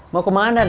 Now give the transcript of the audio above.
mau ke mana diri